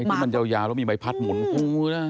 อันนี้มันยาวแล้วมีใบพัดหมุนคู่นะ